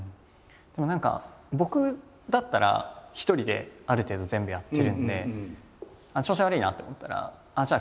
何か僕だったら一人である程度全部やってるんで調子悪いなって思ったらじゃあ